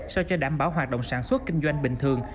so với đảm bảo hoạt động sản xuất kinh doanh bình thường